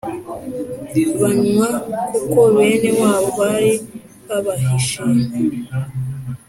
Banywa kuko bene wabo bari babahishiye